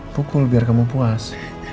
pukul biar kamu puas